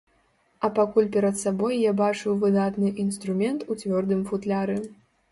А пакуль перад сабой я бачыў выдатны інструмент у цвёрдым футляры.